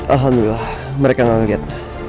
alhamdulillah mereka gak liat